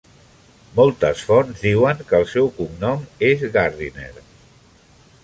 Moltes fonts diuen que el seu cognom és Gardiner.